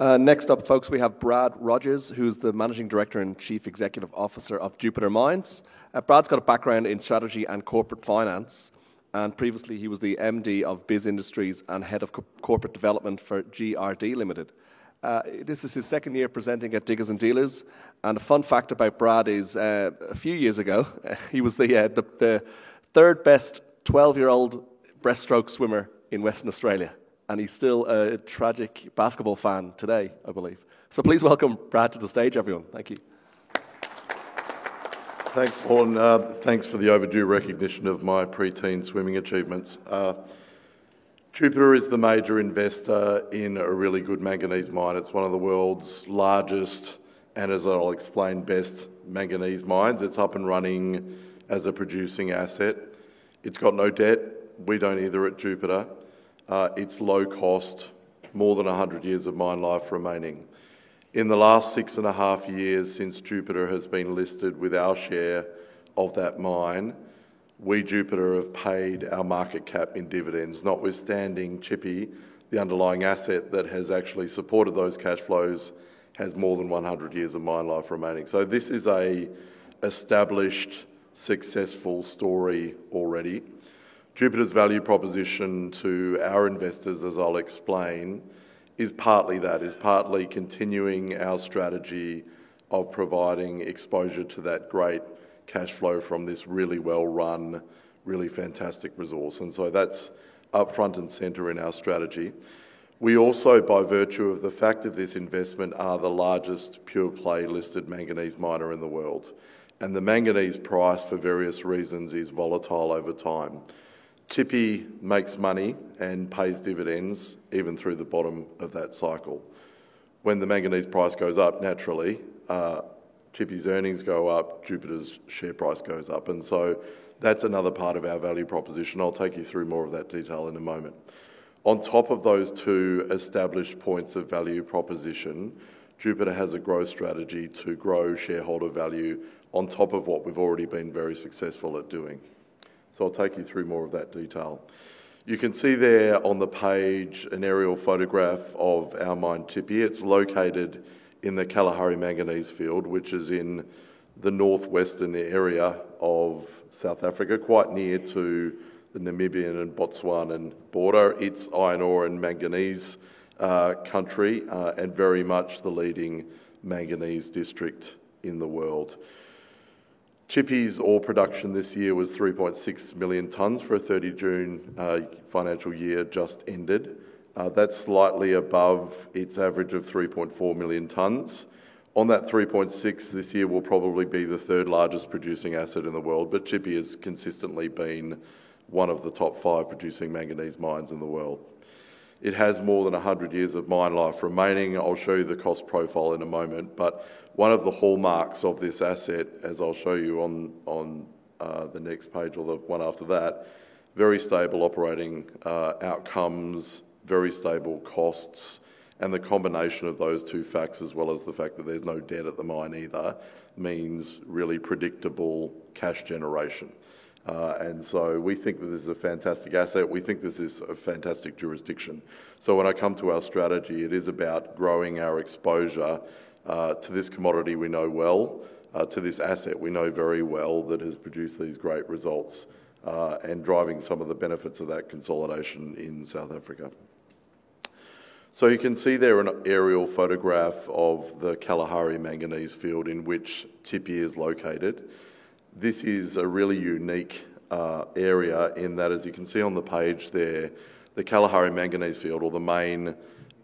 Next up, folks, we have Brad Rogers, who is the Managing Director and Chief Executive Officer of Jupiter Mines. Brad's got a background in strategy and corporate finance, and previously he was the MD of Biz Industries and Head of Corporate Development for GRD Ltd. This is his second year presenting at Diggers and Dealers. A fun fact about Brad is a few years ago, he was the third-best 12-year-old breaststroke swimmer in Western Australia. He's still a tragic basketball fan today, I believe. Please welcome Brad to the stage, everyone. Thank you. Thanks, Paul. Thanks for the overdue recognition of my pre-teen swimming achievements. Jupiter is the major investor in a really good manganese mine. It's one of the world's largest, and as I'll explain, best manganese mines. It's up and running as a producing asset. It's got no debt. We don't either at Jupiter. It's low cost, more than 100 years of mine life remaining. In the last six and a half years since Jupiter has been listed with our share of that mine, we Jupiter have paid our market cap in dividends, notwithstanding Tshipi, the underlying asset that has actually supported those cash flows, has more than 100 years of mine life remaining. This is an established, successful story already. Jupiter's value proposition to our investors, as I'll explain, is partly that. It's partly continuing our strategy of providing exposure to that great cash flow from this really well-run, really fantastic resource. That's up front and center in our strategy. We also, by virtue of the fact of this investment, are the largest pure play listed manganese miner in the world. The manganese price, for various reasons, is volatile over time. Tshipi makes money and pays dividends even through the bottom of that cycle. When the manganese price goes up, naturally, Tshipi's earnings go up, Jupiter's share price goes up. That's another part of our value proposition. I'll take you through more of that detail in a moment. On top of those two established points of value proposition, Jupiter has a growth strategy to grow shareholder value on top of what we've already been very successful at doing. I'll take you through more of that detail. You can see there on the page an aerial photograph of our mine, Tshipi. It's located in the Kalahari manganese field, which is in the northwestern area of South Africa, quite near to the Namibian and Botswana border. It's iron ore and manganese country and very much the leading manganese district in the world. Tshipi's ore production this year was 3.6 million tons for a 30-June financial year just ended. That's slightly above its average of 3.4 million tons. On that 3.6 this year, we'll probably be the third largest producing asset in the world. Tshipi has consistently been one of the top five producing manganese mines in the world. It has more than 100 years of mine life remaining. I'll show you the cost profile in a moment. One of the hallmarks of this asset, as I'll show you on the next page or the one after that, is very stable operating outcomes and very stable costs. The combination of those two facts, as well as the fact that there's no debt at the mine either, means really predictable cash generation. We think that this is a fantastic asset. We think this is a fantastic jurisdiction. When I come to our strategy, it is about growing our exposure to this commodity we know well, to this asset we know very well that has produced these great results and driving some of the benefits of that consolidation in South Africa. You can see there an aerial photograph of the Kalahari manganese field in which the Tshipi is located. This is a really unique area in that, as you can see on the page there, the Kalahari manganese field, or the main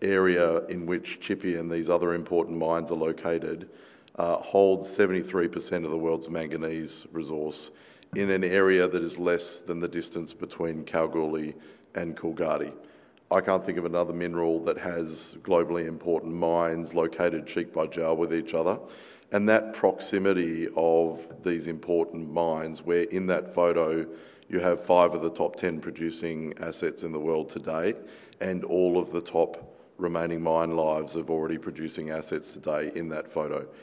area in which the Tshipi mine and these other important mines are located, holds 73% of the world's manganese resource in an area that is less than the distance between Kalgoorlie and Coolgardie. I can't think of another mineral that has globally important mines located cheek by jaw with each other. That proximity of these important mines, where in that photo you have five of the top 10 producing assets in the world to date, and all of the top remaining mine lives of already producing assets today in that photo, is significant.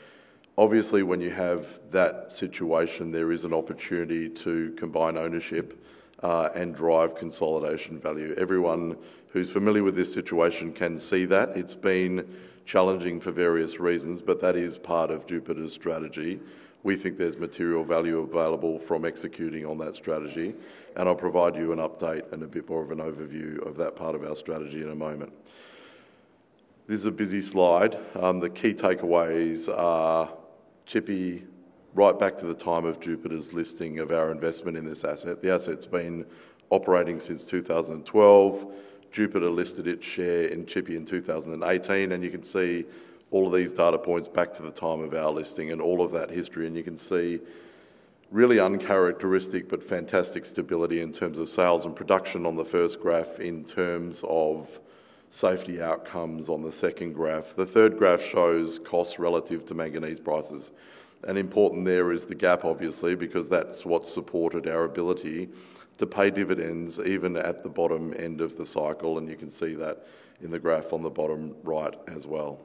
Obviously, when you have that situation, there is an opportunity to combine ownership and drive consolidation value. Everyone who's familiar with this situation can see that. It's been challenging for various reasons, but that is part of Jupiter's strategy. We think there's material value available from executing on that strategy. I'll provide you an update and a bit more of an overview of that part of our strategy in a moment. This is a busy slide. The key takeaways are the Tshipi, right back to the time of Jupiter's listing of our investment in this asset. The asset's been operating since 2012. Jupiter listed its share in the Tshipi in 2018. You can see all of these data points back to the time of our listing and all of that history. You can see really uncharacteristic but fantastic stability in terms of sales and production on the first graph, in terms of safety outcomes on the second graph. The third graph shows costs relative to manganese prices. Important there is the gap, obviously, because that's what supported our ability to pay dividends even at the bottom end of the cycle. You can see that in the graph on the bottom right as well.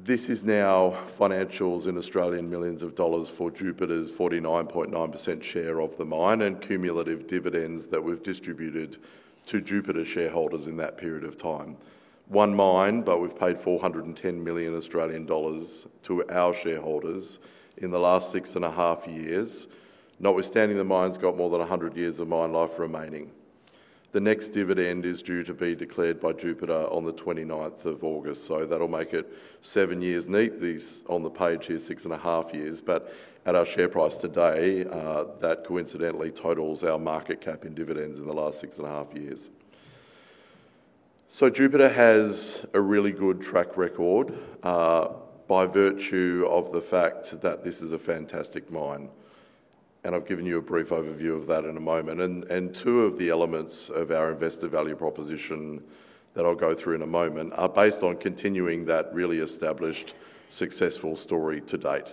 This is now financials in Australia, millions of dollars for Jupiter's 49.9% share of the mine and cumulative dividends that we've distributed to Jupiter shareholders in that period of time. One mine, but we've paid $410 million to our shareholders in the last six and a half years, notwithstanding the mine's got more than 100 years of mine life remaining. The next dividend is due to be declared by Jupiter on the 29th of August. That'll make it seven years neat. These on the page here, six and a half years. At our share price today, that coincidentally totals our market cap in dividends in the last six and a half years. Jupiter has a really good track record by virtue of the fact that this is a fantastic mine. I've given you a brief overview of that in a moment. Two of the elements of our investor value proposition that I'll go through in a moment are based on continuing that really established, successful story to date.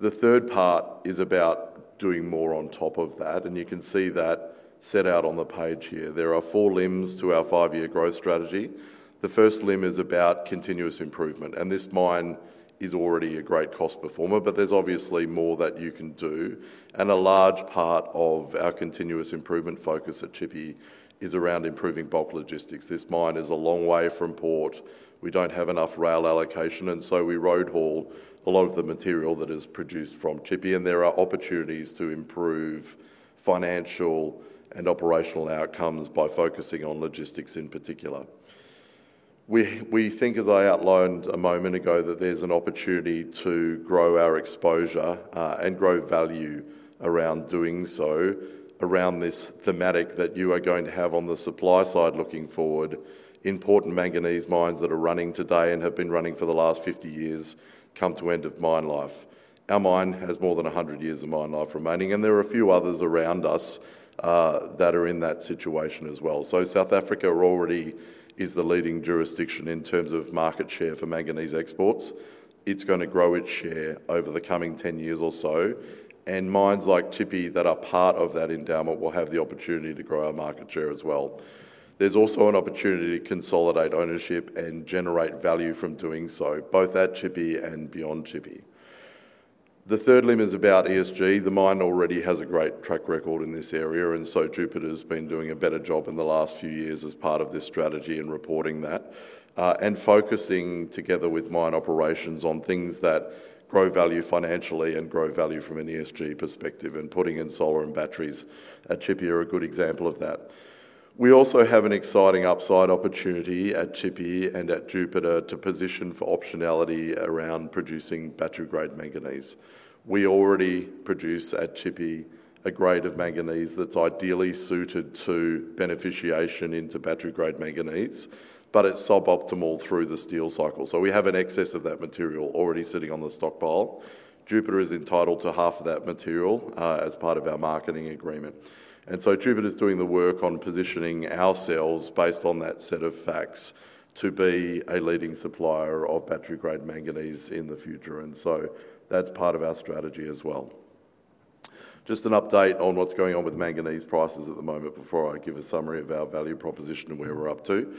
The third part is about doing more on top of that. You can see that set out on the page here. There are four limbs to our five-year growth strategy. The first limb is about continuous improvement. This mine is already a great cost performer. There's obviously more that you can do. A large part of our continuous improvement focus at Tshipi is around improving bulk logistics. This mine is a long way from port. We don't have enough rail allocation, and we road haul a lot of the material that is produced from Tshipi. There are opportunities to improve financial and operational outcomes by focusing on logistics in particular. We think, as I outlined a moment ago, that there's an opportunity to grow our exposure and grow value around doing so, around this thematic that you are going to have on the supply side looking forward. Important manganese mines that are running today and have been running for the last 50 years come to end of mine life. Our mine has more than 100 years of mine life remaining. There are a few others around us that are in that situation as well. South Africa already is the leading jurisdiction in terms of market share for manganese exports. It's going to grow its share over the coming 10 years or so. Mines like Tshipi that are part of that endowment will have the opportunity to grow our market share as well. There's also an opportunity to consolidate ownership and generate value from doing so, both at Tshipi and beyond Tshipi. The third limb is about ESG. The mine already has a great track record in this area. Jupiter has been doing a better job in the last few years as part of this strategy and reporting that and focusing together with mine operations on things that grow value financially and grow value from an ESG perspective. Putting in solar and battery solutions at Tshipi are a good example of that. We also have an exciting upside opportunity at Tshipi and at Jupiter to position for optionality around producing battery-grade manganese. We already produce at Tshipi a grade of manganese that's ideally suited to beneficiation into battery-grade manganese. It's suboptimal through the steel cycle. We have an excess of that material already sitting on the stockpile. Jupiter is entitled to half of that material as part of our marketing agreement. Jupiter is doing the work on positioning ourselves based on that set of facts to be a leading supplier of battery-grade manganese in the future. That's part of our strategy as well. Just an update on what's going on with manganese prices at the moment before I give a summary of our value proposition and where we're up to.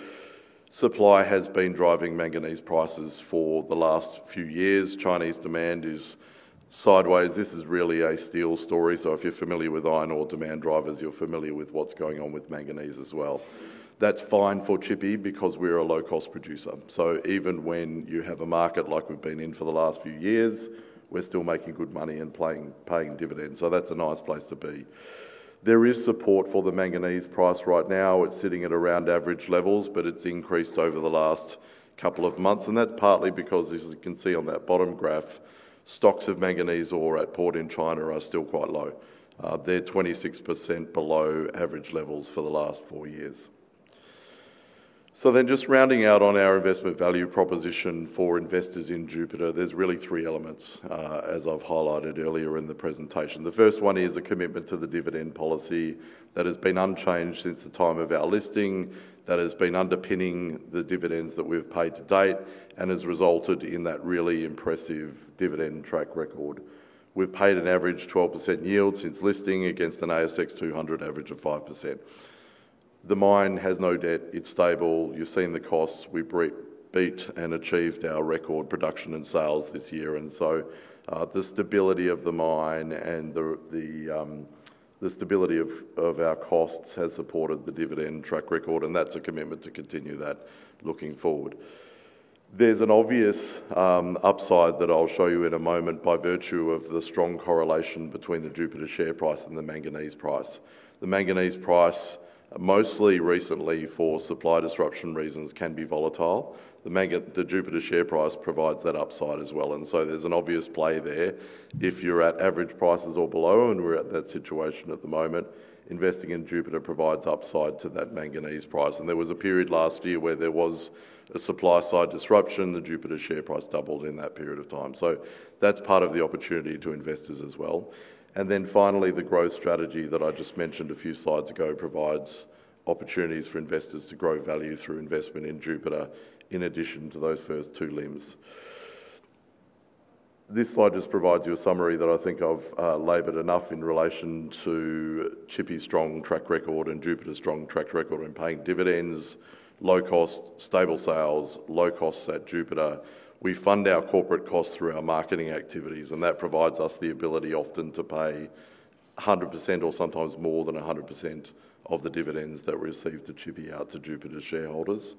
Supply has been driving manganese prices for the last few years. Chinese demand is sideways. This is really a steel story. If you're familiar with iron ore demand drivers, you're familiar with what's going on with manganese as well. That's fine for Tshipi because we're a low-cost producer. Even when you have a market like we've been in for the last few years, we're still making good money and paying dividends. That's a nice place to be. There is support for the manganese price right now. It's sitting at around average levels, but it's increased over the last couple of months. That's partly because, as you can see on that bottom graph, stocks of manganese ore at port in China are still quite low. They're 26% below average levels for the last four years. Rounding out on our investment value proposition for investors in Jupiter, there's really three elements, as I've highlighted earlier in the presentation. The first one is a commitment to the dividend policy that has been unchanged since the time of our listing, that has been underpinning the dividends that we've paid to date, and has resulted in that really impressive dividend track record. We've paid an average 12% yield since listing against an ASX 200 average of 5%. The mine has no debt. It's stable. You've seen the costs. We beat and achieved our record production and sales this year. The stability of the mine and the stability of our costs has supported the dividend track record. That's a commitment to continue that looking forward. There's an obvious upside that I'll show you in a moment by virtue of the strong correlation between the Jupiter share price and the manganese price. The manganese price, mostly recently for supply disruption reasons, can be volatile. The Jupiter share price provides that upside as well. There's an obvious play there. If you're at average prices or below, and we're at that situation at the moment, investing in Jupiter provides upside to that manganese price. There was a period last year where there was a supply side disruption. The Jupiter share price doubled in that period of time. That's part of the opportunity to investors as well. Finally, the growth strategy that I just mentioned a few slides ago provides opportunities for investors to grow value through investment in Jupiter, in addition to those first two limbs. This slide just provides you a summary that I think I've labored enough in relation to Tshipi's strong track record and Jupiter's strong track record in paying dividends, low cost, stable sales, low costs at Jupiter. We fund our corporate costs through our marketing activities. That provides us the ability often to pay 100% or sometimes more than 100% of the dividends that we receive from Tshipi out to Jupiter shareholders.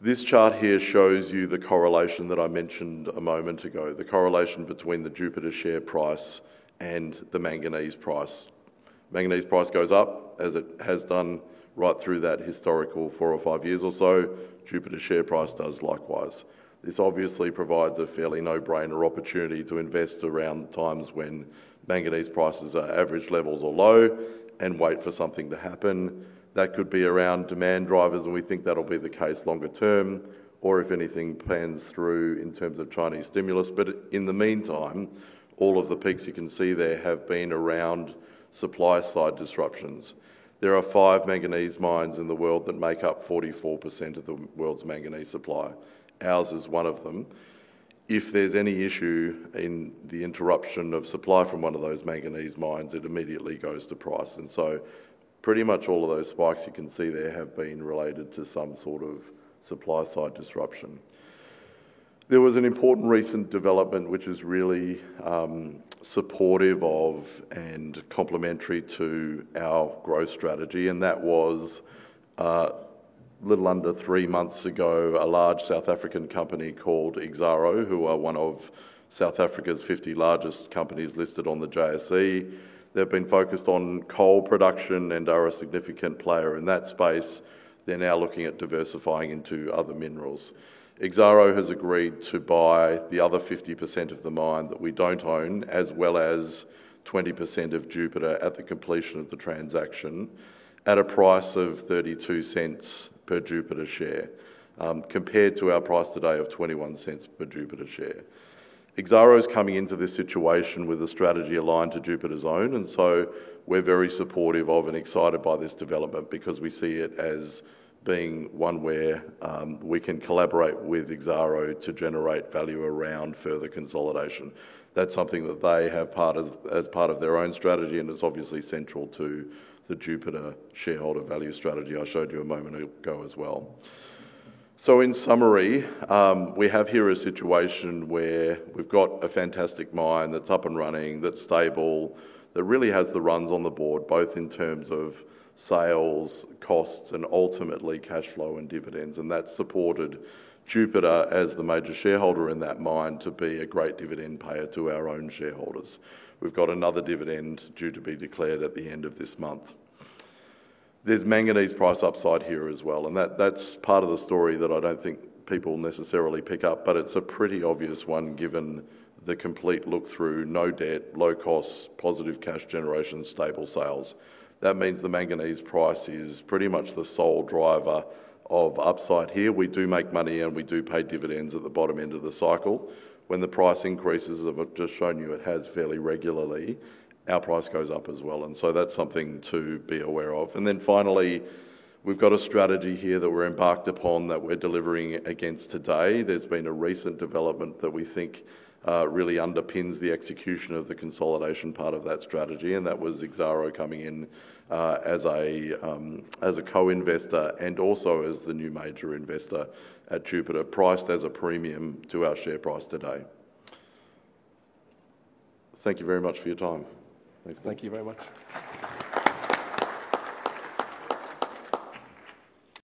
This chart here shows you the correlation that I mentioned a moment ago, the correlation between the Jupiter share price and the manganese price. Manganese price goes up, as it has done right through that historical four or five years or so. Jupiter share price does likewise. This obviously provides a fairly no-brainer opportunity to invest around the times when manganese prices are at average levels or low and wait for something to happen. That could be around demand drivers. We think that'll be the case longer term, or if anything pans through in terms of Chinese stimulus. In the meantime, all of the peaks you can see there have been around supply side disruptions. There are five manganese mines in the world that make up 44% of the world's manganese supply. Ours is one of them. If there's any issue in the interruption of supply from one of those manganese mines, it immediately goes to price. Pretty much all of those spikes you can see there have been related to some sort of supply side disruption. There was an important recent development which is really supportive of and complementary to our growth strategy. That was a little under three months ago, a large South African company called Exxaro, who are one of South Africa's 50 largest companies listed on the JSE. They've been focused on coal production and are a significant player in that space. They're now looking at diversifying into other minerals. Exxaro has agreed to buy the other 50% of the mine that we don't own, as well as 20% of Jupiter at the completion of the transaction at a price of $0.32 per Jupiter share, compared to our price today of $0.21 per Jupiter share. Exxaro is coming into this situation with a strategy aligned to Jupiter's own. We're very supportive of and excited by this development because we see it as being one where we can collaborate with Exxaro to generate value around further consolidation. That's something that they have as part of their own strategy and is obviously central to the Jupiter shareholder value strategy I showed you a moment ago as well. In summary, we have here a situation where we've got a fantastic mine that's up and running, that's stable, that really has the runs on the board, both in terms of sales, costs, and ultimately cash flow and dividends. That's supported Jupiter as the major shareholder in that mine to be a great dividend payer to our own shareholders. We've got another dividend due to be declared at the end of this month. There's manganese price upside here as well. That's part of the story that I don't think people necessarily pick up. It's a pretty obvious one given the complete look through, no debt, low cost, positive cash generation, stable sales. That means the manganese price is pretty much the sole driver of upside here. We do make money and we do pay dividends at the bottom end of the cycle. When the price increases, as I've just shown you, it has fairly regularly. Our price goes up as well. That's something to be aware of. Finally, we've got a strategy here that we're embarked upon that we're delivering against today. There's been a recent development that we think really underpins the execution of the consolidation part of that strategy. That was Exxaro coming in as a co-investor and also as the new major investor at Jupiter, priced at a premium to our share price today. Thank you very much for your time. Thanks. Thank you very much.